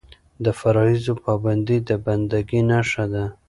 د فرایضو پابندي د بنده ګۍ نښه ده.